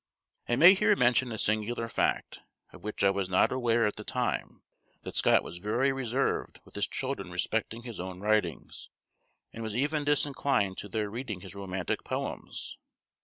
I may here mention a singular fact, of which I was not aware at the time, that Scott was very reserved with his children respecting his own writings, and was even disinclined to their reading his romantic poems.